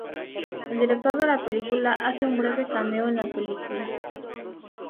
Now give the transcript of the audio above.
El director de la película hace un breve cameo en la película.